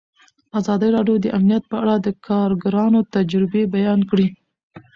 ازادي راډیو د امنیت په اړه د کارګرانو تجربې بیان کړي.